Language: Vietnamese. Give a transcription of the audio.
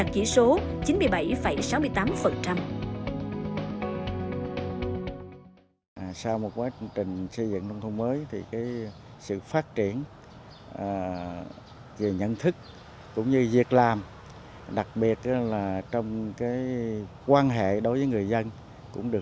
khi đạt chỉ số chín mươi bảy sáu mươi tám